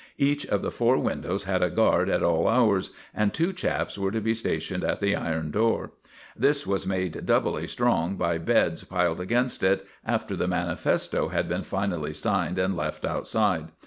Each of the four windows had a guard at all hours, and two chaps were to be stationed at the iron door. This was made doubly strong by beds piled against it, after the manifesto had been finally signed and left outside.